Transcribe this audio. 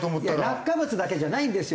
落下物だけじゃないんですよ。